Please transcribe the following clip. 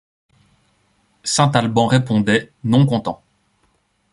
Saint-Albans répondait: — Non content.